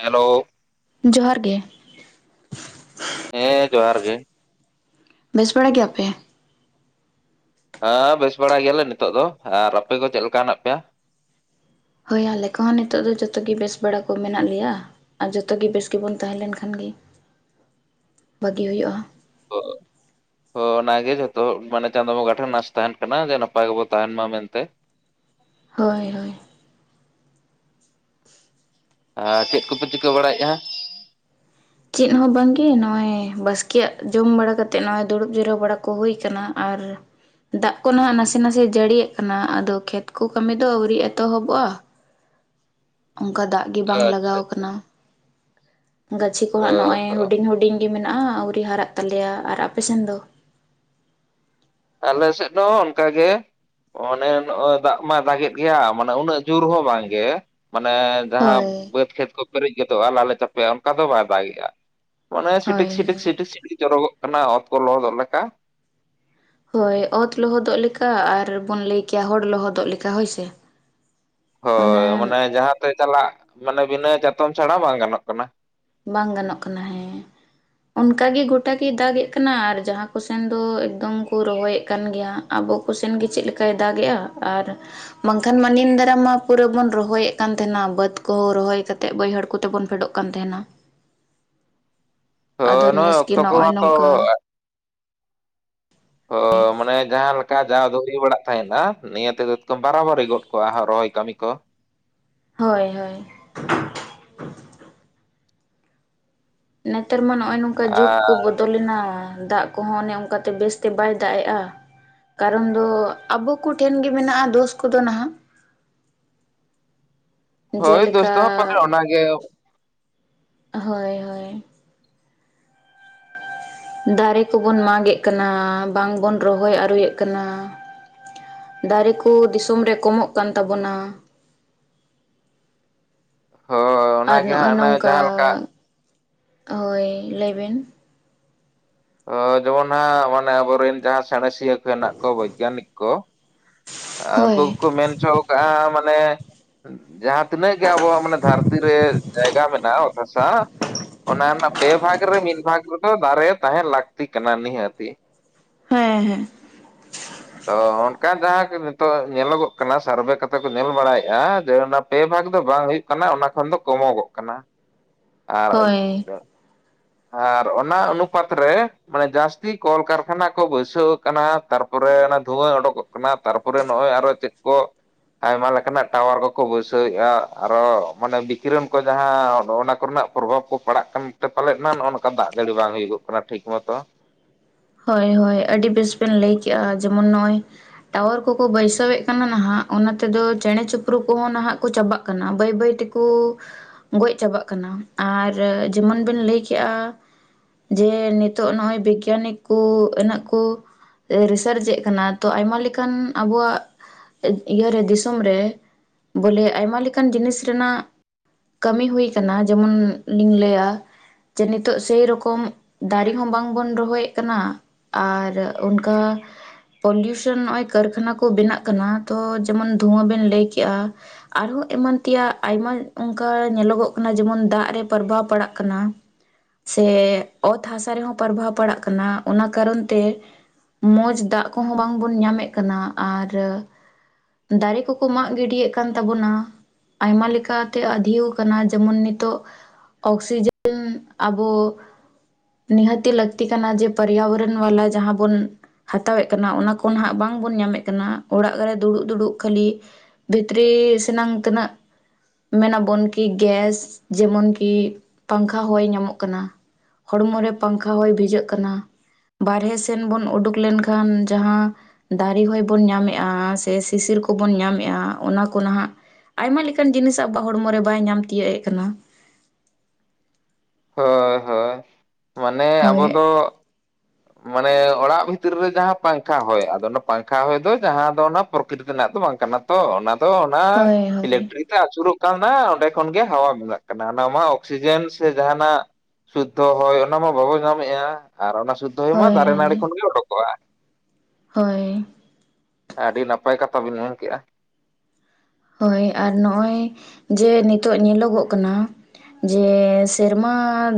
Hello ᱡᱚᱦᱟᱨ ᱜᱮ ᱦᱮᱸ ᱡᱚᱦᱟᱨ ᱜᱮ ᱵᱮᱥ ᱵᱟᱲᱟ ᱜᱮᱭᱟᱯᱮ ᱦᱮᱸ ᱵᱮᱥ ᱵᱟᱲᱟ ᱜᱮᱭᱟᱞᱮ ᱱᱤᱛᱚᱜ ᱫᱚ ᱟᱨ ᱟᱯᱮ ᱠᱚ ᱪᱮᱫ ᱞᱮᱠᱟ ᱦᱮᱱᱟᱜ ᱯᱮᱭᱟ ᱦᱳᱭ ᱟᱞᱮ ᱠᱚᱦᱚᱸ ᱱᱤᱛᱚᱜ ᱫᱚ ᱡᱚᱛᱚ ᱜᱮ ᱵᱮᱥ ᱵᱟᱲᱟ ᱠᱚ ᱢᱮᱱᱟᱜ ᱞᱮᱭᱟ ᱟᱨ ᱡᱚᱛᱚᱜᱮ ᱵᱮᱥ ᱜᱮᱵᱚᱱ ᱛᱟᱦᱮᱸᱞᱮᱱᱠᱷᱟᱱ ᱜᱮ ᱵᱷᱟᱜᱤ ᱦᱩᱭᱩᱜᱼᱟ [unintelligible] ᱦᱚ ᱚᱱᱟᱜᱮ ᱡᱷᱚᱛᱚ ᱢᱟᱱᱮ ᱪᱟᱸᱫᱚ ᱵᱚᱸᱜᱟ ᱴᱷᱮᱱ ᱱᱟᱥ ᱛᱟᱦᱮᱱ ᱠᱟᱱᱟ ᱡᱮ ᱱᱟᱯᱟᱭ ᱜᱮᱵᱚ ᱛᱟᱦᱮᱱ ᱢᱟ ᱢᱮᱱᱛᱮ ᱦᱳᱭ ᱦᱳᱭ ᱟᱨ ᱪᱮᱫ ᱠᱚᱯᱮ ᱪᱤᱠᱟᱹ ᱵᱟᱲᱟᱭᱮᱫ‌ ᱠᱟᱱᱟ ᱪᱮᱫ ᱦᱚᱸ ᱵᱟᱝᱜᱮ ᱱᱚᱜᱼᱚᱭ ᱵᱟᱥᱠᱮᱭᱟᱜ ᱡᱚᱢ ᱵᱟᱲᱟ ᱠᱟᱛᱮᱫ ᱱᱚᱜᱼᱚᱭ ᱫᱩᱲᱩᱵ ᱡᱤᱨᱟᱣ ᱵᱟᱲᱟ ᱠᱚ ᱦᱩᱭ ᱠᱟᱱᱟ ᱟᱨ ᱫᱟᱜ ᱠᱚ ᱱᱟᱦᱟᱜ ᱱᱟᱥᱮ ᱱᱟᱥᱮ ᱡᱟᱹᱲᱤᱭᱟᱜ ᱠᱟᱱᱟ ᱟᱫᱚ ᱠᱷᱮᱛ ᱠᱚ ᱠᱟᱹᱢᱤ ᱫᱚ ᱟᱹᱣᱨᱤᱤᱫ ᱮᱛᱚᱦᱚᱵᱚᱜᱼᱟ ᱚᱝᱠᱟ ᱫᱟᱜ ᱜᱮ ᱵᱟᱝ ᱟᱪᱪᱷᱟ ᱞᱟᱜᱟᱣ ᱠᱟᱱᱟ ᱜᱟᱹᱪᱷᱤ ᱠᱚ ᱚ ᱦᱟᱸᱜ ᱱᱚᱜᱼᱚᱭ ᱦᱚ ᱦᱩᱰᱤᱧ ᱦᱩᱰᱤᱧ ᱜᱮ ᱢᱮᱱᱟᱜᱼᱟ ᱟᱹᱣᱨᱤ ᱦᱟᱨᱟᱜ ᱛᱟᱞᱮᱭᱟ ᱟᱨ ᱟᱯᱮ ᱥᱮᱱ ᱫᱚ ᱟᱞᱮ ᱥᱮᱫ ᱦᱚᱸ ᱚᱱᱠᱟᱜᱮ ᱚᱱᱮ ᱱᱚᱜ-ᱚᱭ ᱫᱟᱜ ᱢᱟᱭ ᱫᱟᱜᱮᱫ ᱜᱮᱭᱟ ᱢᱟᱱᱮ ᱩᱱᱟᱹᱜ ᱡᱳᱨ ᱦᱚᱸ ᱵᱟᱝ ᱜᱮ ᱢᱟᱱᱮ ᱡᱟᱦᱟᱸ ᱦᱳᱭ ᱵᱟᱹᱫ ᱠᱷᱮᱛ ᱠᱚ ᱯᱮᱨᱮᱡ ᱜᱚᱫᱚᱜᱼᱟ ᱞᱟᱞᱮ ᱪᱟᱯᱮᱜ-ᱟ ᱚᱱᱠᱟ ᱫᱚ ᱵᱟᱭ ᱫᱟᱜᱮᱜᱼᱟ ᱢᱟᱱᱮ ᱥᱤᱴᱤᱠ ᱦᱳᱭ ᱥᱤᱴᱤᱠ ᱦᱳᱭ ᱥᱤᱴᱤᱠ ᱥᱤᱴᱤᱠ ᱡᱚᱨᱚᱜᱚᱜ ᱠᱟᱱᱟ ᱚᱛ ᱠᱚ ᱞᱚᱦᱚᱫᱚᱜ ᱞᱮᱠᱟ ᱦᱳᱭ ᱚᱛ ᱞᱚᱦᱚᱫᱚᱜ ᱞᱮᱠᱟ ᱟᱨ ᱵᱚᱱ ᱞᱟᱹᱭ ᱠᱮᱭᱟ ᱦᱚᱲ ᱞᱚᱦᱚᱫᱚᱜ ᱞᱮᱠᱟ ᱦᱳᱭᱥᱮ ᱦᱳᱭ ᱢᱟᱱᱮ ᱡᱟᱦᱟᱸᱛᱮ ᱪᱟᱞᱟᱜ ᱢᱟᱱᱮ ᱵᱤᱱᱟᱹ ᱪᱟᱛᱚᱢ ᱪᱷᱟᱲᱟ ᱵᱟᱝ ᱜᱟᱱᱚᱜ ᱠᱟᱱᱟ ᱵᱟᱝ ᱜᱟᱱᱚᱜ ᱠᱟᱱᱟ ᱦᱮᱸ ᱚᱱᱠᱟᱜ ᱜᱮ ᱜᱚᱴᱟ ᱜᱮ ᱫᱟᱜᱮᱫ ᱠᱟᱱᱟ ᱟᱨ ᱡᱟᱦᱟᱸ ᱠᱚ ᱥᱮᱱ ᱫᱚ ᱮᱠᱫᱚᱢ ᱠᱚ ᱨᱚᱦᱚᱭᱮᱫ ᱠᱟᱱ ᱜᱮᱭᱟ ᱦᱟ ᱟᱵᱚ ᱠᱚ ᱥᱮᱱᱜᱮ ᱪᱮᱫ ᱞᱮᱠᱟᱭ ᱫᱟᱜᱮᱜᱼᱟ ᱟᱨ ᱵᱟᱝᱠᱷᱟᱱ ᱢᱟ ᱱᱤᱱ ᱫᱟᱨᱟᱢ ᱢᱟ ᱯᱩᱨᱟᱹ ᱵᱚᱱ ᱨᱚᱦᱚᱭᱮᱫ ᱠᱟᱱ ᱛᱟᱦᱮᱱᱟ ᱵᱟᱹᱫᱽ ᱠᱚᱦᱚᱸ ᱨᱚᱦᱚᱭ ᱠᱟᱛᱮ ᱵᱟᱹᱭᱦᱟᱹᱲ ᱠᱚᱛᱮᱵᱚᱱ ᱯᱷᱮᱰᱚᱜ ᱠᱟᱱ ᱛᱟᱦᱮᱱᱟ ᱛᱚ ᱟᱫᱚ ᱱᱮᱥ ᱱᱚᱜ-ᱚᱭ ᱜᱮ ᱠᱛᱚ ᱱᱚᱜᱼᱚᱭ ᱠᱚᱦᱚᱸ ᱛᱚ ᱱᱚᱝᱠᱟ ᱦᱳᱭ ᱢᱟᱱᱮ ᱡᱟᱦᱟᱸ ᱞᱮᱠᱟ ᱡᱟᱸᱦᱟ ᱫᱚ ᱦᱩᱭ ᱵᱟᱲᱟᱜ ᱛᱟᱸᱦᱮᱱᱟ ᱱᱤᱭᱟᱹ ᱛᱮᱫᱚ ᱵᱟᱨᱟ ᱵᱟᱨᱤ ᱜᱚᱫ ᱠᱚᱜ ᱦᱟᱸᱜ ᱨᱚᱦᱚᱭ ᱠᱟᱹᱢᱤ ᱠᱚ ᱦᱳᱭ ᱦᱳᱭ ᱱᱮᱛᱟᱨ ᱢᱟ ᱱᱚᱜᱼᱚᱭ ᱱᱚᱝᱠᱟ ᱡᱩᱜᱽ ᱠᱚ ᱟᱨ ᱵᱚᱫ ᱞᱮᱱᱟ ᱫᱟᱜ ᱠᱚᱦᱚᱸ ᱚᱱᱮ ᱚᱱᱠᱟᱛᱮ ᱵᱮᱥᱛᱮ ᱵᱟᱭ ᱫᱟᱜ ᱮᱜᱼᱟ ᱠᱟᱨᱚᱱ ᱫᱚ ᱟᱵᱚ ᱠᱚᱴᱷᱮᱱ ᱜᱮ ᱢᱮᱱᱟᱜᱼᱟ ᱫᱳᱥ ᱠᱚᱫᱚ ᱱᱟᱦᱟᱜ ᱦᱳᱭ ᱫᱳᱥ ᱡᱮᱞᱮᱠᱟ ᱫᱚ ᱦᱟᱸᱜ ᱯᱟᱞᱮ ᱚᱱᱟᱜᱮ ᱦᱳᱭ ᱦᱳᱭ ᱫᱟᱨᱮ ᱠᱚᱵᱚᱱ ᱢᱟᱜᱮᱜ ᱠᱟᱱᱟ ᱵᱟᱝ ᱵᱚᱱ ᱨᱚᱦᱚᱭ ᱟᱹᱨᱳᱭᱮᱜ ᱠᱟᱱᱟ ᱫᱟᱨᱮ ᱠᱚ ᱫᱤᱥᱚᱢ ᱨᱮ ᱠᱚᱢᱚᱜ ᱠᱟᱱ ᱛᱟᱵᱚᱱᱟ ᱦᱚᱻ ᱟᱨ ᱱᱚᱜᱼᱚᱭ ᱱᱚᱝᱠᱟ ᱦᱳᱭ ᱞᱟᱹᱭ ᱵᱤᱱ ᱡᱮᱢᱚᱱ ᱦᱟᱸᱜ ᱢᱟᱱᱮ ᱟᱵᱚ ᱨᱮᱱ ᱡᱟᱦᱟᱸ ᱥᱟᱬᱮᱥᱤᱭᱟᱹ ᱠᱚ ᱦᱮᱱᱟᱜ ᱠᱚ ᱵᱳᱭᱜᱟᱱᱤᱠ ᱠᱚ ᱦᱳᱭ ᱩᱱᱠᱩ ᱜᱮᱠᱚ ᱢᱮᱱ ᱦᱚᱪᱚᱣᱟᱠᱟᱜᱼᱟ ᱢᱟᱱᱮ ᱡᱟᱦᱟᱸ ᱛᱤᱱᱟᱹᱜ ᱜᱮ ᱟᱵᱚᱣᱟᱜ ᱢᱟᱱᱮ ᱫᱷᱟᱹᱨᱛᱤ ᱨᱮ ᱡᱟᱭᱜᱟ ᱢᱮᱱᱟᱜᱼᱟ ᱚᱛ ᱦᱟᱥᱟ ᱚᱱᱟ ᱨᱮᱱᱟᱜ ᱯᱮ ᱵᱷᱟᱜᱽ ᱨᱮ ᱢᱤᱫ ᱵᱷᱟᱜᱽ ᱨᱮᱫᱚ ᱫᱟᱨᱮ ᱛᱟᱦᱮᱸ ᱞᱟᱹᱠᱛᱤ ᱠᱟᱱᱟ ᱱᱤᱦᱟᱹᱛᱤ ᱦᱮᱸ ᱦᱮᱸ ᱛᱚ ᱚᱱᱠᱟ ᱡᱟᱦᱟᱸ ᱱᱤᱛᱚᱜ ᱧᱮᱞᱚᱜᱚᱜ ᱠᱟᱱᱟ ᱥᱟᱨᱵᱷᱮ ᱠᱟᱛᱮ ᱠᱚ ᱧᱮᱞ ᱵᱟᱲᱟᱭᱮᱫᱼᱟ ᱡᱮ ᱚᱱᱟ ᱯᱮ ᱵᱷᱟᱜ ᱫᱚ ᱵᱟᱝ ᱦᱩᱭᱩᱜ ᱠᱟᱱᱟ ᱚᱱᱟ ᱠᱷᱚᱱ ᱫᱚ ᱠᱚᱢᱚᱜᱚᱜ ᱠᱟᱱᱟ ᱟᱨ ᱦᱳᱭ ᱟᱨ ᱚᱱᱟ ᱚᱱᱩᱯᱟᱛ ᱨᱮ ᱢᱟᱱᱮ ᱡᱟᱹᱥᱛᱤ ᱠᱚᱞᱠᱟᱨᱠᱷᱟᱱᱟ ᱠᱚ ᱵᱟᱹᱭᱥᱟᱹᱣ ᱠᱟᱱᱟ ᱛᱟᱨᱯᱚᱨᱮ ᱚᱱᱟ ᱫᱷᱩᱣᱟᱹ ᱳᱰᱚᱠᱚᱜ ᱠᱟᱱᱟ ᱛᱟᱨᱯᱚᱨᱮ ᱱᱚᱜᱼᱚᱭ ᱟᱨᱚ ᱪᱮᱫ ᱠᱚ ᱟᱭᱢᱟ ᱞᱮᱠᱟᱱᱟᱜ ᱴᱟᱣᱟᱨ ᱠᱚᱠᱚ ᱵᱟᱹᱭᱥᱟᱹᱣ ᱮᱜᱼᱟ ᱟᱨᱚ ᱢᱟᱱᱮ ᱵᱤᱠᱤᱨᱚᱱ ᱠᱚ ᱡᱟᱦᱟᱸ ᱚᱱᱟ ᱠᱚᱨᱮᱱᱟᱜ ᱯᱨᱚᱵᱷᱟᱵᱽ ᱠᱚ ᱯᱟᱲᱟᱜ ᱠᱟᱱ ᱛᱮ ᱯᱟᱞᱮᱜ ᱱᱟ ᱱᱚᱜᱼᱚ ᱱᱚᱝᱠᱟ ᱫᱟᱜ ᱡᱟᱹᱲᱤ ᱵᱟᱝ ᱦᱩᱭᱩᱜᱚᱜ ᱠᱟᱱᱟ ᱴᱷᱤᱠ ᱢᱚᱛᱚ ᱦᱳᱭ ᱦᱳᱭ ᱟᱹᱰᱤ ᱵᱮᱥ ᱵᱤᱱ ᱞᱟᱹᱭ ᱠᱮᱜᱼᱟ ᱡᱮᱢᱚᱱ ᱱᱚᱜᱼᱚᱭ ᱴᱟᱣᱟᱨ ᱠᱚᱠᱚ ᱵᱟᱹᱭᱥᱟᱹᱣ ᱮᱜ ᱠᱟᱱᱟ ᱱᱟᱦᱟᱜ ᱚᱱᱟ ᱛᱮᱫᱚ ᱪᱮᱬᱮ ᱪᱤᱯᱨᱩᱜ ᱠᱚᱦᱚᱸ ᱱᱟᱦᱟᱜ ᱠᱚ ᱪᱟᱵᱟᱜ ᱠᱟᱱᱟ ᱵᱟᱹᱭ ᱵᱟᱹᱭ ᱛᱮᱠᱚ ᱜᱚᱡ ᱪᱟᱵᱟᱜ ᱠᱟᱱᱟ ᱟᱨ ᱡᱮᱢᱚᱱ ᱵᱤᱱ ᱞᱟᱹᱭ ᱠᱮᱜᱼᱟ ᱡᱮ ᱱᱤᱛᱚᱜ ᱱᱚᱜᱼᱚᱭ ᱵᱤᱜᱽᱜᱟᱱᱤᱠ ᱠᱩ ᱮᱱᱮᱜ ᱠᱚ ᱨᱤᱥᱟᱨᱪ ᱮᱜ ᱠᱟᱱᱟ ᱛᱚ ᱟᱭᱢᱟ ᱞᱮᱠᱟᱱ ᱟᱵᱚᱣᱟᱜ ᱤᱭᱟᱹ ᱨᱮ ᱫᱤᱥᱚᱢ ᱨᱮ ᱵᱚᱞᱮ ᱟᱭᱢᱟ ᱞᱮᱠᱟᱱ ᱡᱤᱱᱤᱥ ᱨᱮᱱᱟᱜ ᱠᱟᱹᱢᱤ ᱦᱩᱭ ᱠᱟᱱᱟ ᱡᱮᱢᱚᱱ ᱞᱤᱧ ᱞᱟᱹᱭᱟ ᱡᱮ ᱱᱤᱛᱚᱜ ᱥᱮ ᱨᱚᱠᱚᱢ ᱫᱟᱨᱮ ᱦᱚᱸ ᱵᱟᱝ ᱵᱚᱱ ᱨᱚᱦᱚᱭᱮᱜ ᱠᱟᱱᱟ ᱟᱨ ᱚᱱᱠᱟ ᱯᱚᱞᱤᱭᱩᱥᱚᱱ ᱱᱚᱜᱼᱚᱭ ᱠᱟᱹᱨᱠᱷᱟᱱᱟ ᱠᱚ ᱵᱮᱱᱟᱜ ᱠᱟᱱᱟ ᱛᱚ ᱡᱮᱢᱚᱱ ᱫᱷᱩᱶᱟᱹ ᱵᱤᱱ ᱞᱟᱹᱭ ᱠᱮᱜᱼᱟ ᱟᱨᱦᱚᱸ ᱮᱢᱟᱱ ᱛᱮᱭᱟᱜ ᱟᱭᱢᱟ ᱚᱱᱠᱟ ᱧᱮᱞᱚᱜᱚᱜ ᱠᱟᱱᱟ ᱡᱮᱢᱚᱱ ᱫᱟᱜ ᱨᱮ ᱯᱨᱚᱵᱷᱟᱵ ᱯᱟᱲᱟᱜ ᱠᱟᱱᱟ ᱥᱮ ᱚᱛ ᱦᱟᱥᱟ ᱨᱮᱦᱚᱸ ᱯᱨᱵᱷᱟᱵ ᱯᱟᱲᱟᱜ ᱠᱟᱱᱟ ᱚᱱᱟ ᱠᱟᱨᱚᱱ ᱛᱮ ᱢᱚᱸᱡᱽ ᱫᱟᱜ ᱠᱚᱦᱚᱸ ᱵᱟᱝ ᱵᱚᱱ ᱧᱟᱢᱮᱜ ᱠᱟᱱᱟ ᱟᱨ ᱫᱟᱨᱮ ᱠᱚᱠᱚ ᱢᱟᱜ ᱜᱤᱰᱤᱭᱮᱜ ᱠᱟᱱ ᱛᱟᱵᱚᱱᱟ ᱟᱭᱢᱟ ᱞᱮᱠᱟ ᱛᱮ ᱟᱫᱷᱤᱭᱳ ᱠᱟᱱᱟ ᱡᱮᱢᱚᱱ ᱱᱤᱛᱚᱜ ᱚᱠᱥᱤᱡᱮᱱ ᱟᱵᱚ ᱱᱤᱦᱟᱹᱛᱤ ᱞᱟᱹᱠᱛᱤ ᱠᱟᱱᱟ ᱡᱮ ᱯᱚᱨᱭᱟᱵᱚᱨᱚᱱ ᱵᱟᱞᱟ ᱡᱟᱦᱟᱸ ᱵᱚᱱ ᱦᱟᱛᱟᱣᱮᱜ ᱠᱟᱱᱟ ᱚᱱᱟ ᱠᱚ ᱱᱟᱦᱟᱜ ᱵᱟᱝ ᱵᱚᱱ ᱧᱟᱢᱮᱜ ᱠᱟᱱᱟ ᱚᱲᱟᱜ ᱨᱮ ᱫᱩᱲᱩᱵ ᱫᱩᱲᱩᱵ ᱠᱷᱟᱹᱞᱤ ᱵᱷᱤᱛᱨᱤ ᱥᱮᱱᱟᱝ ᱛᱤᱱᱟᱹᱜ ᱢᱮᱱᱟᱵᱚᱱ ᱠᱤ ᱜᱮᱥ ᱡᱮᱢᱚᱱ ᱠᱤ ᱯᱟᱝᱠᱷᱟ ᱦᱚᱭ ᱧᱟᱢᱚᱜ ᱠᱟᱱᱟ ᱦᱚᱲᱢᱚ ᱨᱮ ᱯᱟᱝᱠᱷᱟ ᱦᱚᱭ ᱵᱷᱤᱡᱟᱹᱜ ᱠᱟᱱᱟ ᱵᱟᱨᱦᱮ ᱥᱮᱱ ᱵᱚᱱ ᱩᱰᱩᱠ ᱞᱮᱱ ᱠᱷᱟᱱ ᱡᱟᱦᱟᱸ ᱫᱟᱨᱮ ᱦᱚᱭ ᱵᱚᱱ ᱧᱟᱢ ᱮᱜᱼᱟ ᱥᱮ ᱥᱤᱥᱤᱨ ᱠᱚᱵᱚᱱ ᱧᱟᱢᱮᱜᱼᱟ ᱚᱱᱟ ᱠᱚ ᱱᱟᱦᱟᱜ ᱟᱭᱢᱟ ᱞᱮᱠᱟᱱ ᱡᱤᱱᱤᱥ ᱟᱵᱚᱣᱟᱜ ᱦᱚᱲᱢᱚ ᱨᱮ ᱵᱟᱭ ᱧᱟᱢ ᱛᱤᱭᱳᱜ ᱮᱫ ᱠᱟᱱᱟ ᱦᱳᱭ ᱦᱳᱭ ᱢᱟᱱᱮ ᱦᱳᱭ ᱟᱵᱚ ᱫᱚ ᱢᱟᱱᱮ ᱚᱲᱟᱜ ᱵᱷᱤᱛᱤᱨ ᱨᱮ ᱡᱟᱦᱟᱸ ᱯᱟᱝᱠᱷᱟ ᱦᱚᱭ ᱟᱫᱚ ᱚᱱᱟ ᱯᱟᱝᱠᱷᱟ ᱦᱚᱭ ᱫᱚ ᱡᱟᱦᱟᱸ ᱫᱚ ᱚᱱᱟ ᱯᱨᱚᱠᱨᱤᱛ ᱨᱮᱱᱟᱜ ᱫᱚ ᱵᱟᱝ ᱠᱟᱱᱟ ᱛᱚ ᱚᱱᱟ ᱫᱚ ᱚᱱᱟ ᱦᱳᱭ ᱦᱳᱭ ᱤᱞᱮᱠᱴᱨᱤᱠ ᱟᱹᱪᱩᱨᱚᱜ ᱠᱟᱱᱟ ᱚᱸᱰᱮ ᱠᱷᱚᱱᱜᱮ ᱦᱟᱣᱟ ᱵᱮᱟᱜ ᱠᱟᱱᱟ ᱚᱱᱟ ᱢᱟ ᱚᱠᱥᱤᱡᱮᱱ ᱥᱮ ᱡᱟᱦᱟᱱᱟᱜ ᱥᱩᱫᱽᱫᱷᱚ ᱦᱚᱭ ᱚᱱᱟ ᱢᱟ ᱵᱟᱵᱚ ᱧᱟᱢᱮᱫᱼᱟ ᱟᱨ ᱚᱱᱟ ᱥᱩᱫᱽᱫᱷᱚ ᱦᱩᱭᱩᱜ ᱢᱟ ᱦᱳᱭ ᱫᱟᱨᱮ ᱦᱳᱭ ᱱᱟᱹᱲᱤ ᱠᱷᱚᱱ ᱜᱮ ᱚᱰᱚᱠᱚᱜᱼᱟ ᱦᱳᱭ ᱟᱹᱰᱤ ᱱᱟᱯᱟᱭ ᱠᱟᱛᱷᱟ ᱵᱤᱱ ᱢᱮᱱ ᱠᱮᱜᱼᱟ ᱦᱳᱭ ᱟᱨ ᱱᱚᱜᱼᱚᱭ ᱡᱮ ᱱᱤᱛᱚᱜ ᱧᱮᱞᱚᱜᱚᱜ ᱠᱟᱱᱟ ᱡᱮ ᱥᱮᱨᱢᱟ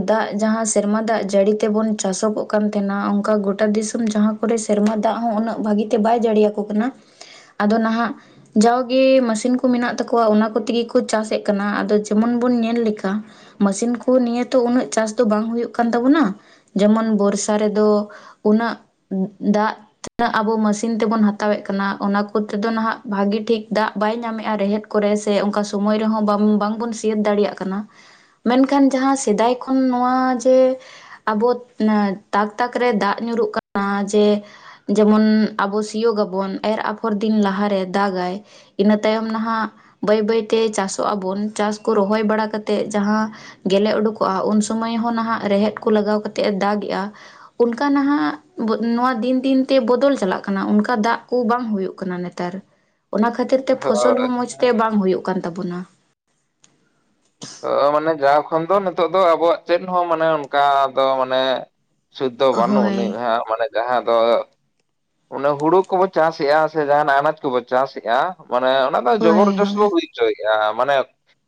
ᱫᱟᱜ ᱡᱟᱦᱟᱸ ᱥᱮᱨᱢᱟ ᱫᱟᱜ ᱡᱟᱹᱲᱤ ᱛᱮᱵᱚᱱ ᱪᱟᱥᱚᱜᱚᱜ ᱠᱟᱱ ᱛᱟᱦᱮᱱᱟ ᱚᱱᱠᱟ ᱜᱚᱴᱟ ᱫᱤᱥᱚᱢ ᱡᱟᱦᱟᱸ ᱠᱚᱨᱮ ᱥᱮᱨᱢᱟ ᱫᱟᱜ ᱦᱚᱸ ᱩᱱᱟᱹᱜ ᱵᱷᱟᱹᱜᱤ ᱛᱮ ᱵᱟᱭ ᱡᱟᱲᱮᱩᱟᱠᱚ ᱠᱟᱱᱟ ᱟᱫᱚ ᱱᱟᱦᱟᱜ ᱡᱟᱣᱜᱮ ᱢᱟᱼᱼ ᱴᱤᱱ ᱠᱚ ᱢᱮᱱᱟᱜ ᱛᱟᱠᱚᱣᱟ ᱚᱱᱟ ᱠᱚ ᱛᱮᱜᱮ ᱠᱚ ᱪᱟᱥ ᱮᱫ ᱠᱟᱱᱟ ᱟᱫᱚ ᱡᱮᱢᱚᱱ ᱵᱚᱱ ᱧᱮᱞ ᱞᱮᱠᱟ ᱢᱟ. ᱥᱤᱱ ᱠᱚ ᱱᱤᱭᱟᱹ ᱛᱚ ᱩᱱᱟᱹᱜ ᱪᱟᱥ ᱫᱚ ᱵᱟᱝ ᱦᱩᱭᱩᱜ ᱠᱟᱱ ᱛᱟᱵᱳᱱᱟ ᱡᱮᱢᱚᱱ ᱵᱚᱨᱥᱟ ᱨᱮᱫᱚ ᱩᱱᱟ. ᱜ ᱫᱟᱜ ᱛᱤᱱᱟᱹᱜ ᱟᱵᱚ ᱢᱮᱥᱤᱱ ᱛᱮᱵᱚᱱ ᱦᱟᱛᱟᱣᱮᱫ ᱠᱟᱱᱟ ᱚᱱᱟ ᱠᱚᱛᱮᱫᱚ ᱱᱟᱦᱟᱜ ᱵᱷᱟᱜᱤ ᱴᱷᱤᱠ ᱫᱟᱜ ᱵᱟᱭ ᱧᱟᱢᱮᱫ ᱨᱮᱦᱮᱫ ᱠᱚᱨᱮ ᱥᱮ ᱚᱱᱠᱟ ᱥᱚᱢᱚᱭ ᱨᱮᱦᱚᱸ ᱵᱟᱝᱵᱚᱱ ᱥᱤᱮᱨ ᱫᱟᱲᱮᱭᱟᱜ ᱠᱟᱱᱟ ᱢᱮᱱᱠᱷᱟᱱ ᱡᱟᱦᱟᱸ ᱥᱮᱫᱟᱭ ᱠᱷᱚᱱ ᱱᱚᱣᱟ ᱡᱮ ᱟᱵᱚ ᱛᱟᱠ ᱛᱟᱠ ᱨᱮ ᱫᱟᱜ ᱧᱩᱨᱩᱜ ᱠᱟᱱᱟ ᱡᱮ ᱡᱮᱢᱚᱱ ᱟᱵᱚ ᱥᱤᱭᱳᱜᱟᱵᱚᱱ ᱮᱨ ᱟᱯᱷᱚᱨ ᱫᱤᱱ ᱞᱟᱦᱟᱨᱮ ᱫᱟᱜᱟᱭ ᱤᱱᱟᱹ ᱛᱟᱭᱚᱢ ᱱᱟᱦᱟᱜ ᱵᱟᱹᱭ ᱵᱟᱹᱭᱛᱮ ᱪᱟᱥᱚᱜ ᱟᱵᱚᱱ ᱪᱟᱥ ᱠᱚ ᱨᱚᱦᱚᱭ ᱵᱟᱲᱟ ᱠᱟ ᱠᱟᱛᱮᱫ ᱡᱟᱦᱟᱸ ᱜᱮᱞᱮ ᱩᱰᱩᱠᱚᱜᱼᱟ ᱩᱱ ᱥᱚᱢᱚᱭ ᱦᱚᱸ ᱱᱟᱦᱟᱜ ᱨᱮᱦᱮᱫ ᱠᱚ ᱞᱟᱜᱟᱣ ᱠᱟᱛᱮᱜ-ᱮ ᱫᱟᱜᱮᱜᱼᱟ ᱚᱱᱠᱟ ᱱᱟᱦᱟᱜ ᱱᱚᱣᱟ ᱫᱤᱱ ᱫᱤᱱ ᱛᱮ ᱵᱚᱫᱚᱞ ᱪᱟᱞᱟᱜ ᱠᱟᱱᱟ ᱚᱱᱠᱟ ᱫᱟᱜ ᱠᱚ ᱵᱟᱝ ᱦᱩᱭᱩᱜ ᱠᱟᱱᱟ ᱱᱮᱛ ᱱᱮᱛᱟᱨ ᱚᱱᱟ ᱠᱷᱟᱹᱛᱤᱨ ᱛᱮ ᱯᱷᱚᱥᱚᱞ ᱦᱳᱭ ᱦᱚᱸ ᱢᱚᱸᱡᱽ ᱛᱮ ᱵᱟᱝ ᱦᱩᱭᱩᱜ ᱠᱟᱱ ᱛᱟᱵᱚᱱᱟ ᱚ ᱢᱟᱱᱮ ᱡᱟᱣ ᱠᱷᱚᱱ ᱫᱚ ᱱᱤᱛᱚᱜ ᱫᱚ ᱟᱵᱚᱣᱟᱜ ᱪᱮᱫ ᱦᱚᱸ ᱢᱟᱱᱮ ᱚᱱᱠᱟ ᱫᱚ ᱢᱟᱱᱮ ᱥᱩᱠ ᱫᱚ ᱵᱟᱹᱱᱩᱜ ᱟᱹᱱᱤᱡ ᱦᱳᱭ ᱢᱟᱱᱮ ᱡᱟᱦᱟᱸ ᱫᱚ ᱚᱱᱟ ᱦᱩᱲᱩ ᱠᱚᱵᱚ ᱪᱟᱥᱮᱫᱼᱟ ᱥᱮ ᱡᱟᱦᱱᱟᱜ ᱟᱱᱟᱡ ᱠᱚᱵᱚ ᱪᱟᱥᱮᱫᱼᱟ ᱢᱟᱱᱮ ᱚᱱᱟ ᱫᱚ ᱦᱳᱭ ᱡᱚᱵᱚᱨᱡᱚᱥ ᱵᱚ ᱦᱳᱭ ᱦᱩᱭᱼᱟ ᱦᱚᱪᱚᱭᱮᱜ-ᱟ ᱢᱟᱱᱮ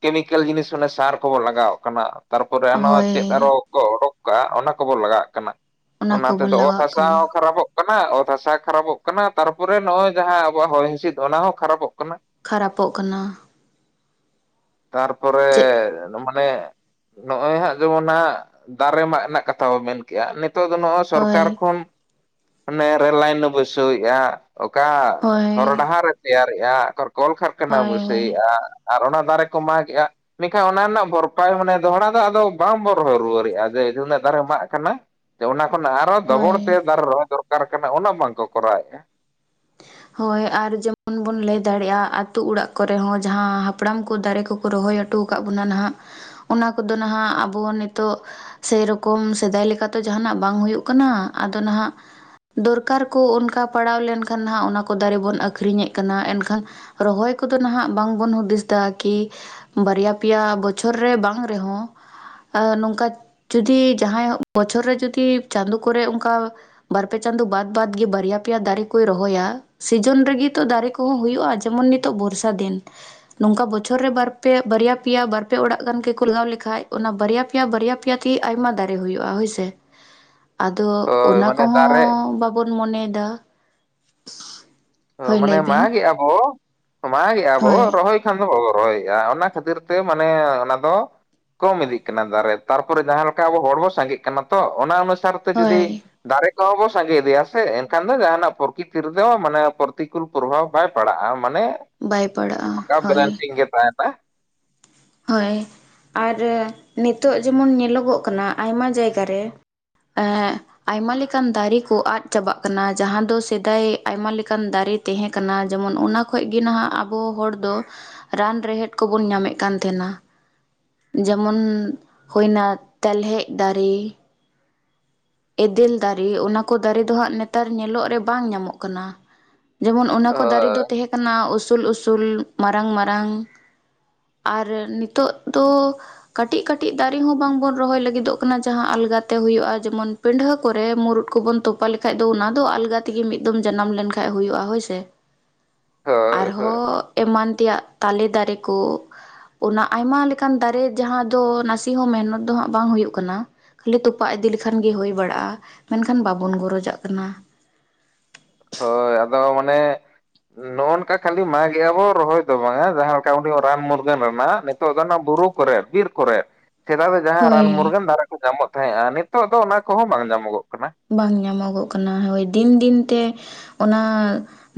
ᱠᱮᱢᱤᱠᱮᱞ ᱡᱤᱱᱤᱥ ᱢᱟᱱᱮ ᱥᱟᱨ ᱠᱚᱵᱚ ᱞᱟᱜᱟᱣᱟᱜ ᱠᱟᱱᱟᱸ ᱛᱟᱨᱯᱚᱨᱮ ᱚᱱᱟ ᱪᱮᱫ ᱟᱨᱚ ᱦᱳᱭ ᱠᱚ ᱚᱰᱚᱠ ᱠᱟᱜᱼᱟ ᱚᱱᱟ ᱠᱚᱵᱚ ᱞᱟᱜᱟᱣᱟᱜ ᱠᱟᱱᱟ ᱚᱱᱟ ᱠᱚᱵᱚᱱ ᱛᱮᱫᱚ ᱚᱛ ᱞᱟᱜᱟᱣᱟᱜ ᱦᱟᱥᱟ ᱦᱚᱸ ᱠᱟᱱᱟ ᱠᱷᱟᱨᱟᱯᱚᱜ ᱠᱟᱱᱟ ᱚᱛ ᱦᱟᱥᱟ ᱠᱷᱟᱨᱟᱯᱚᱜ ᱠᱟᱱᱟ ᱛᱟᱨᱯᱚᱨᱮ ᱱᱚᱜᱼᱚᱭ ᱡᱟᱦᱟᱸ ᱟᱵᱚᱣᱟᱜ ᱦᱚᱭ ᱦᱤᱸᱥᱤᱫ ᱚᱱᱟ ᱦᱚᱸ ᱠᱷᱟᱨᱟᱯᱚᱜ ᱠᱟᱱᱟ ᱠᱷᱟᱨᱟᱯᱚᱜ ᱠᱟᱱᱟ ᱛᱟᱨᱯᱚᱨᱮ ᱪᱮᱫ [unintelligible] ᱢᱟᱱᱮ ᱱᱚᱜᱼᱚᱭ ᱦᱟᱸᱜ ᱡᱮᱢᱚᱱ ᱦᱟᱸᱜ ᱫᱟᱨᱮ ᱢᱟᱜ ᱨᱮᱱᱟᱜ ᱠᱟᱛᱷᱟ ᱵᱚ ᱢᱮᱱ ᱠᱮᱜᱼᱟ ᱱᱤᱛᱚᱜ ᱫᱚ ᱱᱚᱜᱼᱚᱭ ᱥᱚᱨᱠᱟᱨ ᱦᱳᱭ ᱠᱷᱚᱱ ᱱᱚᱣᱟ ᱨᱹᱞ ᱞᱟᱭᱤᱱᱮ ᱵᱟᱹᱭᱥᱟᱹᱣᱮᱫᱼᱟ ᱚᱠᱟ ᱦᱚᱨᱚ ᱦᱳᱭ ᱰᱟᱦᱟᱨᱮ ᱛᱮᱭᱟᱨᱮᱜᱼᱟ ᱚᱠᱟ ᱠᱚᱞᱠᱟᱨᱠᱷᱟᱱᱟ ᱦᱳᱭ ᱦᱳᱭ ᱵᱟᱹᱥᱟᱹᱭᱮᱫᱼᱟ ᱟᱨ ᱚᱱᱟ ᱫᱟᱨᱮ ᱠᱚ ᱢᱟᱜᱮᱜᱼᱟ ᱢᱮᱱᱠᱷᱟᱱ ᱚᱱᱟ ᱨᱮᱱᱟᱜ ᱵᱷᱚᱨᱯᱟᱭ ᱢᱟᱱᱮ ᱫᱚᱦᱲᱟ ᱫᱚ ᱟᱫᱚ ᱵᱟᱢ ᱵᱚᱨ ᱨᱚᱭ ᱨᱩᱣᱟᱹᱲᱮᱜᱼᱟ ᱡᱮ ᱩᱱᱟᱹᱜ ᱫᱟᱨᱮ ᱢᱟᱜ ᱠᱟᱱᱟ ᱡᱮ ᱚᱱᱟ ᱠᱷᱚᱱ ᱟᱨᱚ ᱰᱚᱵᱚᱲ ᱛᱮ ᱦᱳᱭ ᱫᱟᱨᱮ ᱨᱚᱦᱚᱭ ᱫᱚᱨᱠᱟᱨ ᱠᱟᱱᱟ ᱩᱱᱟᱹᱜ ᱵᱟᱝ ᱠᱚ ᱠᱚᱨᱟᱣᱮᱫᱼᱟ ᱦᱳᱭ ᱟᱨ ᱡᱮᱢᱚᱱ ᱵᱚᱱ ᱞᱟᱹᱭ ᱫᱟᱲᱮᱭᱟᱜᱼᱟ ᱟᱹᱛᱩ ᱚᱲᱟᱜ ᱠᱚᱨᱮ ᱦᱚᱸ ᱡᱟᱦᱟᱸ ᱦᱟᱯᱲᱟᱢ ᱠᱚ ᱫᱟᱨᱮ ᱠᱚᱠᱚ ᱨᱚᱦᱚᱭ ᱦᱚᱴᱚ ᱟᱠᱟᱫ ᱵᱚᱱᱟ ᱱᱟᱦᱟᱜ ᱚᱱᱟ ᱠᱚᱫᱚ ᱱᱟᱦᱟᱜ ᱟᱵᱚ ᱱᱤᱛᱚᱜ ᱥᱮᱹᱭ ᱨᱚᱠᱚᱢ ᱥᱮᱫᱟᱭ ᱞᱮᱠᱟ ᱛᱚ ᱡᱟᱦᱟᱱᱟᱜ ᱵᱟᱝ ᱦᱩᱭᱩᱜ ᱠᱟᱱᱟ ᱟᱫᱚ ᱱᱟᱦᱟᱜ ᱫᱚᱨᱠᱟᱨ ᱠᱚ ᱚᱱᱠᱟ ᱯᱟᱲᱟᱣ ᱞᱮᱱᱠᱷᱟᱱ ᱦᱟᱸᱜ ᱚᱱᱟ ᱠᱚ ᱫᱟᱨᱮ ᱵᱚᱱ ᱟᱹᱠᱷᱨᱤᱧᱮᱫ ᱠᱟᱱᱟ ᱮᱱᱠᱷᱟᱱ ᱨᱚᱦᱚᱭ ᱠᱚᱫᱚ ᱱᱟᱦᱟᱜ ᱵᱟᱝᱵᱚᱱ ᱦᱩᱫᱤᱥ ᱮᱫᱟ ᱠᱤ ᱵᱟᱨᱭᱟ ᱯᱮᱭᱟ ᱵᱚᱪᱷᱚᱨ ᱨᱮ ᱵᱟᱝ ᱨᱮᱦᱚᱸ ᱱᱚᱝᱠᱟ ᱡᱩᱫᱤ ᱡᱟᱦᱟᱸᱭ ᱵᱚᱪᱷᱚᱨ ᱨᱮ ᱡᱩᱫᱤ ᱪᱟᱸᱫᱳ ᱠᱚᱨᱮ ᱚᱝᱠᱟ ᱵᱟᱨ-ᱯᱮ ᱪᱟᱸᱫ ᱵᱟᱫ ᱵᱟᱫ ᱜᱮ ᱵᱟᱨᱭᱟ ᱯᱮᱭᱟ ᱫᱟᱨᱮ ᱠᱚᱭ ᱨᱚᱦᱚᱭᱟ ᱥᱤᱡᱤᱱ ᱨᱮᱜᱮ ᱛᱚ ᱫᱟᱨᱮ ᱠᱚᱦᱚᱸ ᱦᱩᱭᱩᱜᱼᱟ ᱡᱮᱢᱚᱱ ᱱᱤᱛᱚᱜ ᱵᱚᱨᱥᱟ ᱫᱤᱱ ᱱᱚᱝᱠᱟ ᱵᱚᱪᱷᱚᱨ ᱨᱮ ᱵᱟᱨ ᱯᱮ ᱵᱟᱨᱭᱟ ᱯᱮᱭᱟ ᱵᱟᱨ ᱯᱮ ᱚᱲᱟᱜ ᱜᱟᱱ ᱜᱮᱠᱚ ᱞᱟᱣ ᱞᱮᱠᱟᱡ ᱚᱱᱟ ᱵᱟᱨᱭᱟ ᱯᱮᱭᱟ ᱵᱟᱨᱭᱟ ᱯᱮᱭᱟ ᱛᱮᱜᱮ ᱟᱭᱢᱟ ᱫᱟᱨᱮ ᱦᱩᱭᱩᱜᱼᱟ ᱦᱳᱭ ᱥᱮ [unintelligible] ᱟᱫᱚ ᱦᱳᱭ ᱚᱱᱟ ᱢᱟᱱᱮ ᱫᱟᱨᱮ ᱠᱚᱦᱚᱸ ᱵᱟᱵᱚᱱ ᱢᱚᱱᱮᱭᱮᱫᱟ ᱚ ᱦᱳᱭ ᱢᱟᱱᱮ ᱞᱟᱹᱭ ᱵᱤᱱ ᱢᱟᱜᱮᱜᱼᱟ ᱵᱚ ᱢᱟᱜᱮᱜᱼᱟ ᱵᱚ ᱦᱳᱭ ᱨᱚᱦᱚᱭ ᱠᱷᱟᱱ ᱫᱚ ᱵᱟᱵᱚ ᱨᱚᱦᱚᱭᱮᱫᱼᱟ ᱚᱱᱟ ᱠᱷᱟᱹᱛᱤᱨ ᱛᱮ ᱢᱟᱱᱮ ᱚᱱᱟ ᱫᱚ ᱠᱚᱢ ᱤᱫᱤᱜ ᱠᱟᱱᱟ ᱫᱟᱨᱮ ᱛᱟᱨᱯᱚᱨᱮ ᱡᱟᱦᱟᱸ ᱞᱮᱠᱟ ᱟᱵᱚ ᱦᱚᱲᱵᱚ ᱥᱟᱸᱜᱮᱜ ᱠᱟᱱᱟ ᱛᱚ ᱚᱱᱟ ᱚᱱᱩᱥᱟᱨ ᱡᱩᱫᱤ ᱦᱳᱭ ᱫᱟᱨᱮ ᱠᱚᱦᱚᱸ ᱵᱚ ᱥᱟᱸᱜᱮ ᱤᱫᱤᱭᱟ ᱥᱮ ᱮᱱᱠᱷᱟᱱ ᱫᱚ ᱡᱟᱦᱟᱱᱟᱜ ᱯᱨᱚᱠᱤᱛᱤ ᱨᱮᱫᱚ ᱢᱟᱱᱮ ᱯᱨᱚᱛᱤᱠᱩᱞ ᱯᱨᱚᱵᱷᱟᱵᱽ ᱵᱟᱭ ᱯᱟᱲᱟᱜᱼᱟ ᱢᱟᱱᱮ ᱵᱟᱭ ᱯᱟᱲᱟᱜᱼᱟ ᱠᱟ ᱦᱳᱭ [unintelligible] ᱜᱮ ᱛᱟᱦᱮᱱᱟ ᱦᱳᱭ ᱟᱨ ᱱᱤᱛᱚᱜ ᱡᱮᱢᱚᱱ ᱧᱮᱞᱚᱜᱚᱜ ᱠᱟᱱᱟ ᱟᱭᱢᱟ ᱡᱟᱭᱜᱟ ᱨᱮ ᱮ ᱟᱭᱢᱟ ᱞᱮᱠᱟᱱ ᱫᱟᱨᱮ ᱠᱚ ᱟᱫ ᱪᱟᱵᱟᱜ ᱠᱟᱱᱟ ᱡᱟᱦᱟᱸ ᱫᱚ ᱥᱮᱫᱟᱭ ᱟᱭᱢᱟ ᱞᱮᱠᱟᱱ ᱫᱟᱨᱮ ᱛᱟᱦᱮᱸ ᱠᱟᱱᱟ ᱡᱮᱢᱚᱱ ᱚᱱᱟ ᱠᱷᱚᱡ ᱜᱮ ᱱᱟᱦᱟᱜ ᱟᱵᱚ ᱦᱚᱲ ᱫᱚ ᱨᱟᱱ ᱨᱮᱦᱮᱫ ᱠᱚᱵᱚᱱ ᱧᱟᱢᱮᱫ ᱠᱟᱱ ᱛᱟᱦᱮᱱᱟ ᱡᱮᱢᱚᱱ ᱦᱩᱭᱱᱟ ᱛᱮᱞᱦᱮᱡ ᱫᱟᱨᱨ ᱮᱫᱮᱞ ᱫᱟᱨᱮ ᱚᱱᱟ ᱠᱚ ᱫᱟᱨᱮ ᱫᱚ ᱦᱟᱸᱜ ᱱᱮᱛᱟᱨ ᱧᱮᱞᱚᱜ ᱨᱮ ᱵᱟᱝ ᱧᱟᱢᱚᱜ ᱠᱟᱱᱟ ᱡᱮᱢᱚᱱ ᱚᱱᱟ ᱠᱚ ᱫᱟᱨᱮ ᱦᱳᱭ ᱫᱚ ᱛᱟᱦᱮᱸ ᱠᱟᱱᱟ ᱩᱥᱩᱞ ᱩᱥᱩᱞ ᱢᱟᱨᱟᱝ ᱢᱟᱨᱟᱝ ᱟᱨ ᱱᱤᱛᱚᱜ ᱫᱚ ᱠᱟᱹᱴᱤᱡ ᱠᱟᱹᱴᱤᱡ ᱫᱟᱨᱮ ᱦᱚᱸ ᱵᱟᱝ ᱵᱚᱱ ᱨᱚᱦᱚᱭ ᱞᱟᱹᱜᱤᱫᱚᱜ ᱠᱟᱱᱟ ᱡᱟᱦᱟᱸ ᱟᱞᱜᱟᱛᱮ ᱦᱩᱭᱩᱜᱼᱟ ᱡᱮᱢᱚᱱ ᱯᱤᱰᱷᱟᱹ ᱠᱚᱨᱮ ᱢᱩᱨᱩᱫ ᱠᱚᱵᱚᱱ ᱛᱚᱯᱟ ᱞᱮᱠᱷᱟᱡ ᱫᱚ ᱚᱱᱟ ᱫᱚ ᱟᱞᱜᱟ ᱛᱮᱜᱮ ᱢᱤᱫ ᱫᱚᱢ ᱡᱟᱱᱟᱢ ᱞᱮᱱᱠᱷᱟᱡ ᱦᱩᱭᱩᱜᱼᱟ ᱦᱳᱭ ᱥᱮ ᱦᱳᱭ ᱦᱳᱭ ᱟᱨᱦᱚᱸ ᱮᱢᱟᱱ ᱛᱮᱭᱟᱜ ᱛᱟᱞᱮ ᱫᱟᱨᱮ ᱠᱚ ᱚᱱᱟ ᱟᱭᱢᱟ ᱞᱮᱠᱟᱱ ᱫᱟᱨᱮ ᱡᱟᱦᱟᱸ ᱫᱚ ᱱᱟᱥᱮ ᱦᱚᱸ ᱢᱮᱦᱱᱚᱛ ᱫᱚ ᱦᱟᱸᱜ ᱵᱟᱝ ᱦᱩᱭᱩᱜ ᱠᱟᱱᱟ ᱠᱷᱟᱹᱞᱤ ᱛᱚᱯᱟᱜ ᱤᱫᱤ ᱞᱮᱠᱷᱟᱱ ᱜᱮ ᱦᱩᱭ ᱵᱟᱲᱟᱜᱼᱟ ᱢᱮᱱᱠᱷᱟᱱ ᱵᱟᱵᱚᱱ ᱜᱚᱨᱚᱡᱟᱜ ᱠᱟᱱᱟ ᱦᱳᱭ ᱟᱫᱚ ᱢᱟᱱᱮ ᱱᱚᱜᱼᱚ ᱱᱚᱝᱠᱟ ᱠᱷᱟᱹᱞᱤ ᱢᱟᱜ ᱜᱮ ᱟᱵᱚ ᱨᱚᱦᱚᱭ ᱫᱚ ᱵᱟᱝᱟ ᱡᱟᱦᱟᱸ ᱞᱮᱠᱟ ᱩᱱᱤ ᱨᱟᱱ ᱢᱩᱨᱜᱟᱹᱱ ᱨᱮᱱᱟᱜ ᱚᱱᱟ ᱵᱩᱨᱩ ᱠᱚᱨᱮ ᱵᱤᱨ ᱠᱚᱨᱮ ᱪᱮᱫᱟᱜ ᱫᱚ ᱡᱟᱦᱟᱸ ᱨᱟᱱ ᱦᱳᱭ ᱢᱩᱨᱜᱟᱹᱱ ᱫᱟᱨᱤ ᱠᱚ ᱧᱟᱢᱚᱜ ᱛᱟᱦᱮᱸᱼᱟ ᱱᱤᱛᱚᱜ ᱫᱚ ᱚᱱᱟ ᱠᱚᱦᱚᱸ ᱵᱟᱝ ᱧᱟᱢᱚᱜᱚᱜ ᱠᱟᱱᱟ ᱵᱟᱝ ᱧᱟᱢᱚᱜᱚᱜ ᱠᱟᱱᱟ ᱦᱳᱭ ᱫᱤᱱ ᱫᱤᱱ ᱛᱮ ᱚᱱᱟ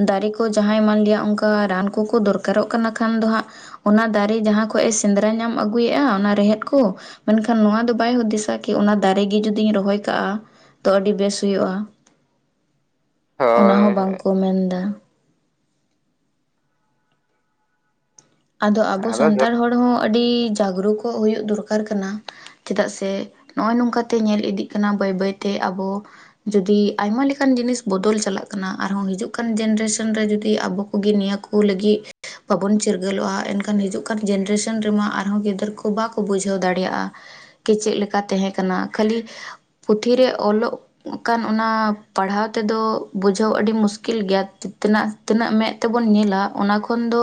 ᱫᱟᱨᱮ ᱠᱚ ᱡᱟᱦᱟᱸᱭ ᱮᱢᱟᱱ ᱞᱮᱭᱟ ᱚᱱᱠᱟ ᱨᱟᱱ ᱠᱚᱠᱚ ᱫᱚᱨᱠᱟᱨᱚᱜ ᱠᱟᱱᱟ ᱠᱷᱟᱱ ᱫᱚ ᱦᱟᱸᱜ ᱚᱱᱟ ᱫᱟᱨᱮ ᱡᱟᱦᱟᱸ ᱠᱷᱚᱡᱮ ᱥᱮᱸᱫᱽᱨᱟ ᱧᱟᱢ ᱟᱹᱜᱩᱭᱮᱫᱼᱟ ᱚᱱᱟ ᱨᱮᱦᱮᱫ ᱠᱚ ᱢᱮᱱᱠᱷᱟᱱ ᱱᱚᱣᱟ ᱫᱚ ᱵᱟᱭ ᱦᱩᱫᱤᱥᱟ ᱠᱤ ᱚᱱᱟ ᱫᱟᱨᱮᱜ ᱜᱮ ᱡᱩᱫᱤᱧ ᱨᱚᱦᱚᱭ ᱠᱟᱜᱼᱟ ᱛᱚ ᱟᱹᱰᱤ ᱵᱮᱥ ᱦᱩᱭᱩᱜᱼᱟ ᱚᱱᱟ ᱦᱚᱸ ᱵᱟᱝ ᱦᱳᱭ ᱠᱚ ᱢᱮᱱ ᱫᱟ ᱟᱫᱚ ᱟᱵᱚ ᱥᱟᱱᱛᱟᱲ ᱦᱚᱲ ᱦᱚᱸ ᱟᱹᱰᱤ ᱡᱟᱜᱽᱨᱩᱠᱚᱜ ᱦᱩᱭᱩᱜ ᱫᱚᱨᱠᱟᱨ ᱠᱟᱱᱟ ᱪᱮᱫᱟᱜ ᱥᱮ ᱱᱚᱜᱼᱚᱭ ᱱᱚᱝᱠᱟᱛᱮ ᱧᱮᱞ ᱤᱫᱤᱜ ᱠᱟᱱᱟ ᱵᱟᱹᱭ ᱵᱟᱹᱭᱛᱮ ᱟᱵᱚ ᱡᱩᱫᱤ ᱟᱭᱢᱟ ᱞᱮᱠᱟᱱ ᱡᱤᱱᱤᱥ ᱵᱚᱫᱚᱞ ᱪᱟᱞᱟᱜ ᱠᱟᱱᱟ ᱟᱨᱦᱚᱸ ᱦᱤᱡᱩᱜ ᱠᱟᱱ ᱡᱮᱱᱟᱨᱮᱥᱚᱱ ᱨᱮ ᱡᱩᱫᱤ ᱟᱵᱚ ᱠᱚᱜᱮ ᱱᱤᱭᱟᱹ ᱠᱚ [unintelligible] ᱪᱤᱨ ᱜᱟᱞᱚᱜᱼᱟ ᱮᱱᱠᱷᱟᱱ ᱦᱤᱡᱩᱜ ᱠᱟᱱ ᱡᱱᱟᱨᱮᱥᱚᱱ ᱨᱮᱢᱟ ᱟᱨᱦᱚᱸ ᱜᱤᱫᱟᱹᱨ ᱠᱚ ᱵᱟᱠᱚ ᱵᱩᱡᱷᱟᱹᱣ ᱫᱟᱲᱮᱭᱟᱜᱼᱟ ᱪᱮᱫ ᱞᱮᱠᱟ ᱛᱟᱦᱮᱸ ᱠᱟᱱᱟ ᱠᱷᱟᱹᱞᱤ ᱯᱩᱛᱷᱤ ᱚᱞᱚᱜ ᱠᱷᱟᱱ ᱚᱱᱟ ᱯᱟᱲᱦᱟᱣ ᱛᱮᱫᱚ ᱵᱩᱡᱷᱟᱹᱣ ᱟᱹᱰᱤ ᱢᱩᱥᱠᱤᱞ ᱜᱮᱭᱟ ᱛᱮᱱᱟᱜ ᱛᱤᱱᱟᱹᱜ ᱢᱮᱫ ᱛᱮᱵᱚᱱ ᱧᱮᱞᱟ ᱚᱱᱟ ᱠᱷᱚᱱ ᱫᱚ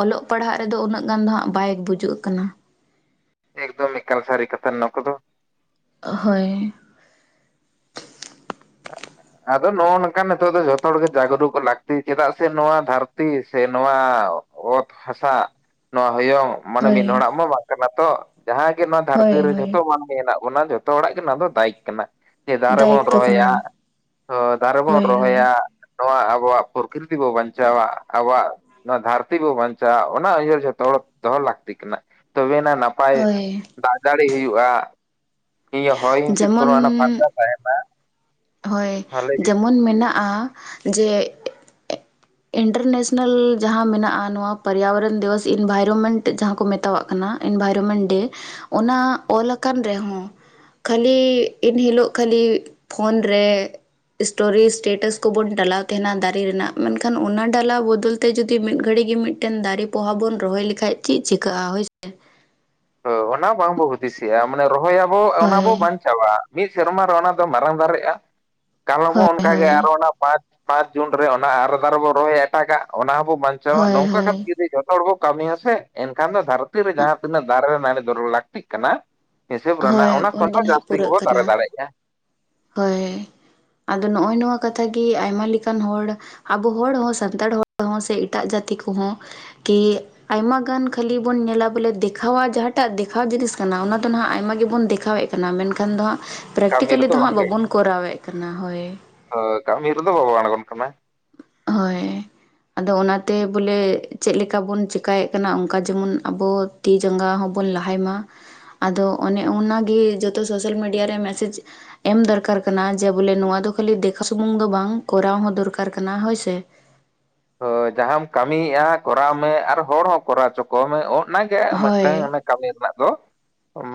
ᱚᱞᱚᱜ ᱯᱟᱲᱦᱟᱜ ᱨᱮᱫᱚ ᱩᱱᱟᱹᱜ ᱜᱟᱱ ᱫᱚ ᱦᱟᱜ ᱵᱟᱭ ᱵᱩᱡᱩᱜ ᱠᱟᱱᱟ ᱮᱠᱫᱚᱢ ᱮᱠᱟᱞ ᱥᱟᱨᱤ ᱠᱟᱛᱷᱟ ᱱᱚᱣᱟ ᱠᱚᱫᱚ ᱦᱳᱭ [unintelligible] ᱟᱫᱚ ᱱᱚᱜᱼᱚ ᱱᱚᱝᱠᱟ ᱱᱤᱛᱚᱜ ᱫᱚ ᱡᱷᱚᱛᱚ ᱦᱚᱲᱜ ᱡᱟᱜᱽᱨᱩᱠ ᱞᱟᱹᱠᱛᱤ ᱪᱮᱫᱟᱜ ᱥᱮ ᱱᱚᱣᱟ ᱫᱷᱟᱹᱨᱛᱤ ᱥᱮ ᱱᱚᱣᱟ ᱚᱛ ᱦᱟᱥᱟ ᱥᱮ ᱱᱚᱣᱟ ᱦᱚᱭᱚᱝ ᱢᱟᱱᱮ ᱦᱳᱭ ᱢᱤᱫ ᱦᱚᱲᱚᱲᱟᱜ ᱢᱟ ᱵᱟᱝ ᱠᱟᱱᱟ ᱛᱚ ᱡᱟᱦᱟᱸᱜ ᱜᱮ ᱱᱚᱣᱟ ᱦᱳᱭ ᱫᱷᱟᱹᱨᱛᱤ ᱨᱮ ᱦᱳᱭ ᱡᱷᱚᱛᱚ ᱢᱟᱱᱢᱤ ᱦᱮᱱᱟᱜ ᱚᱱᱟ ᱡᱚᱛᱚ ᱦᱚᱲᱟᱜ ᱜᱮ ᱚᱱᱟ ᱫᱚ ᱫᱟᱭᱤᱠ ᱠᱟᱱᱟ ᱡᱮ ᱫᱟᱨᱮᱵᱚᱱ ᱫᱟᱭᱤᱛᱛᱚ ᱨᱚᱦᱚᱭᱟ ᱠᱟᱱᱟ ᱫᱟᱨᱮ ᱵᱚᱱ ᱦᱳᱭ ᱦᱳᱭ ᱨᱚᱦᱚᱭᱟ ᱱᱚᱣᱟ ᱟᱵᱚᱣᱟᱜ ᱯᱨᱚᱠᱨᱤᱛᱤ ᱵᱚ ᱵᱟᱧᱪᱟᱣᱟ ᱟᱵᱚᱣᱟᱜ ᱱᱚᱣᱟ ᱫᱷᱟᱹᱨᱛᱤ ᱵᱚ ᱵᱟᱧᱪᱟᱜᱼᱟ ᱚᱱᱟ ᱩᱭᱦᱟᱹᱨ ᱡᱷᱚᱛᱚ ᱦᱚᱲ ᱫᱚᱦᱚ ᱞᱟᱹᱠᱛᱤ ᱠᱟᱱᱟ ᱛᱚᱵᱮᱱᱟ ᱱᱟᱯᱟᱭ ᱦᱳᱭ ᱱᱟᱯᱟᱭ ᱫᱟᱜ ᱡᱟᱲᱤ ᱦᱩᱭᱩᱜᱼᱟ ᱤᱧᱟᱹᱜ ᱦᱚᱭ ᱦᱤᱸᱥᱤᱫ ᱠᱚᱱ ᱡᱮᱢᱚᱱ ᱯᱷᱟᱨᱪᱟ ᱛᱟᱦᱮᱱᱟ ᱦᱳᱭ ᱡᱮᱢᱚᱱ ᱢᱮᱱᱟᱜᱼᱟ ᱡᱮ [inaudible] ᱤᱱᱴᱟᱨᱱᱮᱥᱱᱮᱞ ᱡᱟᱦᱟᱸ ᱢᱮᱱᱟᱜᱼᱟ ᱱᱚᱣᱟ ᱯᱚᱨᱭᱟᱵᱚᱨᱚᱱ ᱫᱤᱵᱚᱥ ᱤᱱᱵᱷᱟᱭᱨᱢᱮᱱᱴ ᱡᱟᱦᱟᱸ ᱠᱚ ᱢᱮᱛᱟᱣᱟᱜ ᱠᱟᱱᱟ ᱠᱟᱱᱟ ᱤᱱᱵᱟᱭᱨᱢᱮᱱᱴ ᱰᱮ ᱚᱱᱟ ᱚᱞ ᱟᱠᱟᱱ ᱨᱮᱦᱚᱸ ᱠᱷᱟᱹᱞᱤ ᱮᱱᱦᱤᱞᱚᱜ ᱠᱷᱟᱹᱞᱤ ᱯᱷᱚᱱ ᱨᱮ ᱥᱴᱚᱨᱤ ᱥᱴᱮᱴᱟᱥ ᱠᱚᱵᱚᱱ ᱰᱟᱞᱟᱣ ᱛᱟᱦᱮᱱᱟ ᱫᱟᱨᱮ ᱨᱮᱱᱟᱜ ᱢᱮᱱᱠᱷᱟᱱ ᱚᱱᱟ ᱰᱟᱞᱟᱣ ᱵᱚᱫᱚᱞ ᱛᱮ ᱛᱮ ᱡᱩᱫᱤ ᱢᱤᱫ ᱜᱷᱟᱹᱲᱤ ᱜᱮ ᱢᱤᱫᱴᱮᱱ ᱫᱟᱨᱮ ᱯᱚᱦᱟ ᱵᱚᱱ ᱨᱚᱦᱚᱭ ᱞᱮᱠᱷᱟᱡ ᱪᱮᱫ ᱪᱤᱠᱟᱹᱜᱼᱟ ᱦᱚᱭᱥᱮ᱾ ᱦ ᱚᱱᱟ ᱵᱟᱝᱵᱚ ᱦᱩᱫᱤᱥᱮᱜᱼᱟ ᱢᱟᱱᱮ ᱨᱚᱦᱚᱭ ᱟᱵᱚ ᱚᱱᱟ ᱦᱳᱭ ᱵᱚ ᱵᱟᱧᱪᱟᱜ ᱟᱵᱟ ᱢᱤᱫ ᱥᱮᱨᱢᱟ ᱨᱮ ᱚᱱᱟ ᱫᱚ ᱢᱟᱨᱟᱝ ᱫᱟᱨᱮᱜᱼᱟ ᱠᱟᱞᱚᱢ ᱦᱚᱸ ᱦᱳᱭ ᱚᱱᱠᱟᱜᱮ ᱦᱳᱭ ᱟᱨᱚ ᱚᱱᱟ ᱯᱟᱸᱪ ᱯᱟᱸᱪ ᱡᱩᱱ ᱨᱮ ᱚᱱᱟ ᱟᱨ ᱫᱟᱨᱮ ᱵᱚ ᱨᱚᱦᱚᱭᱟ ᱮᱴᱟᱜᱟᱜ ᱚᱱᱟ ᱦᱚᱸᱵᱚ ᱵᱟᱧᱪᱟᱣᱟ ᱦᱳᱭ ᱱᱚᱝᱠᱟ ᱠᱟᱛᱮ ᱜᱮ ᱦᱳᱭ ᱡᱩᱫᱤ ᱦᱚᱲ ᱵᱚ ᱠᱟᱹᱢᱤᱭᱟ ᱥᱮ ᱮᱱᱠᱷᱟᱱ ᱫᱚ ᱫᱷᱟᱹᱨᱛᱤ ᱨᱮ ᱡᱟᱦᱟᱸ ᱛᱤᱱᱟᱹᱜ ᱫᱟᱨᱮ ᱨᱮ ᱱᱟᱹᱲᱤ ᱫᱚᱨᱟᱹᱲ ᱞᱟᱹᱠᱛᱤᱜ ᱠᱟᱱᱟ ᱦᱤᱥᱟᱹᱵ ᱨᱮᱱᱟᱜ ᱦᱳᱭ ᱚᱱᱟ ᱠᱷᱚᱱ ᱫᱚ ᱦᱚ ᱱᱟᱦᱟᱜ ᱡᱟᱹᱥᱛᱤ ᱯᱩᱨᱟᱹᱜ ᱜᱮᱵᱚᱱ ᱫᱟᱨᱮ ᱠᱟᱱᱟ ᱫᱟᱲᱮᱭᱟᱜᱼᱜᱮᱭᱟ ᱦᱳᱭ ᱟᱫᱚ ᱱᱚᱜᱼᱚᱭ ᱱᱚᱣᱟ ᱠᱟᱛᱷᱟ ᱜᱮ ᱟᱭᱢᱟ ᱞᱮᱠᱟᱱ ᱦᱚᱲ ᱟᱵᱚ ᱦᱚᱲ ᱦᱚᱸ ᱥᱟᱱᱛᱟᱲ ᱦᱚᱲ ᱦᱚᱸ ᱥᱮ ᱮᱴᱟᱜ ᱡᱟᱹᱛᱤ ᱠᱚᱦᱚᱸ ᱠᱤ ᱟᱭᱢᱟ ᱜᱟᱱ ᱠᱷᱟᱹᱞᱤ ᱵᱚᱱ ᱧᱮᱞᱟ ᱵᱚᱞᱮ ᱫᱮᱠᱷᱟᱣᱟ ᱡᱟᱦᱟᱸᱴᱟᱜ ᱫᱮᱠᱷᱟᱣ ᱡᱤᱱᱤᱥ ᱠᱟᱱᱟ ᱚᱱᱟ ᱫᱚ ᱦᱟᱜᱢᱟ ᱜᱮᱵᱚᱱ ᱫᱮᱠᱷᱟᱣᱮᱫ ᱠᱟᱱᱟ ᱢᱮᱱᱠᱷᱟᱱ ᱫᱚ ᱦᱟᱜ ᱠᱟᱹᱢᱤ ᱯᱨᱮᱠᱴᱤᱠᱮᱞᱤ ᱨᱮᱫᱚ ᱫᱚ ᱦᱟᱸᱜ ᱵᱟᱵᱚᱱ ᱠᱚᱨᱟᱣᱮᱫ ᱠᱟᱱᱟ ᱦᱳᱭ ᱦᱚᱭ ᱠᱟᱹᱢᱤ ᱨᱮ ᱫᱚ ᱵᱟᱵᱟᱱ ᱟᱲᱜᱚᱱ ᱠᱟᱱᱟ ᱦᱳᱭ ᱟᱫᱚ ᱚᱱᱟᱛᱮ ᱵᱚᱞᱮ ᱪᱮᱫ ᱞᱮᱠᱟ ᱵᱚᱱ ᱪᱮᱠᱟᱭᱮᱫ ᱠᱟᱱᱟ ᱚᱱᱠᱟ ᱡᱮᱢᱚᱱ ᱟᱵᱚ ᱛᱤ ᱡᱟᱸᱜᱟ ᱦᱚᱸ ᱵᱚᱱ ᱞᱟᱦᱟᱭ ᱢᱟ ᱟᱫᱚ ᱚᱱᱮ ᱚᱱᱟᱜᱮ ᱡᱚᱛᱚ ᱥᱚᱥᱮᱞ ᱢᱤᱰᱤᱭᱟ ᱨᱮ ᱢᱮᱥᱮᱡᱽ ᱮᱢ ᱫᱚᱨᱠᱟᱨ ᱠᱟᱱᱟ ᱡᱮ ᱵᱚᱞᱮ ᱱᱚᱣᱟ ᱫᱚ ᱠᱷᱟᱹᱞᱤ ᱫᱮᱠᱷᱟ ᱥᱩᱢᱩᱝ ᱫᱚ ᱵᱟᱝ ᱠᱚᱨᱟᱣ ᱦᱚᱸ ᱫᱚᱨᱠᱟᱨ ᱠᱟᱨᱠᱟᱱᱟ ᱦᱚᱭ ᱥᱮ ᱦᱚᱭ ᱡᱟᱦᱟᱸᱢ ᱠᱟᱹᱢᱤᱭᱮᱫᱼᱟ ᱠᱚᱨᱟᱣ ᱢᱮ ᱟᱨ ᱦᱚᱲ ᱦᱚᱸ ᱠᱚᱨᱟᱣ ᱦᱚᱪᱚ ᱠᱚᱢ ᱚ ᱚᱱᱟᱜᱮ ᱢᱤᱫᱴᱟᱝ ᱦᱳᱭ ᱠᱟᱹᱢᱤ ᱨᱮᱱᱟᱜ ᱫᱚ